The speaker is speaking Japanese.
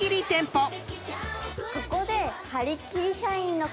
ここで。